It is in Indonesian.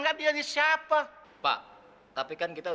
rani kamu ngotiga banget sih sama aku